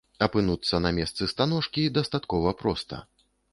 Апынуцца на месцы станожкі дастаткова проста.